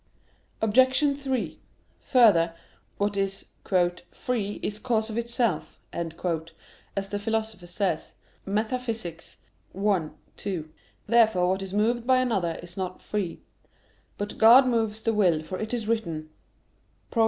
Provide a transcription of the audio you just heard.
Obj. 3: Further, what is "free is cause of itself," as the Philosopher says (Metaph. i, 2). Therefore what is moved by another is not free. But God moves the will, for it is written (Prov.